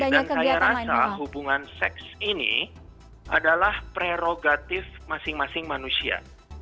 dan saya rasa hubungan seks ini adalah prerogatif masing masing manusia